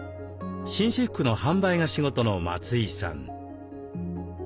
紳士服の販売が仕事の松井さん。